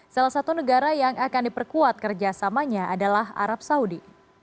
salah satu negara yang akan diperkuat kerjasamanya adalah arab saudi